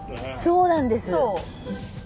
そうなんです。